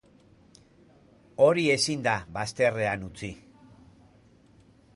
Hori ezin da bazterrean utzi.